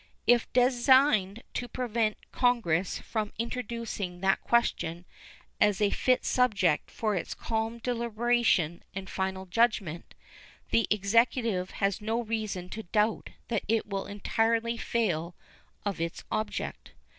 If designed to prevent Congress from introducing that question as a fit subject for its calm deliberation and final judgment, the Executive has no reason to doubt that it will entirely fail of its object.